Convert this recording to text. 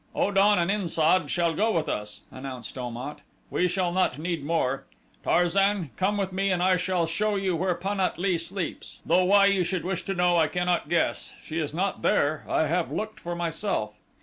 "O dan and In sad shall go with us," announced Om at, "we shall not need more. Tarzan, come with me and I shall show you where Pan at lee sleeps, though why you should wish to know I cannot guess she is not there. I have looked for myself."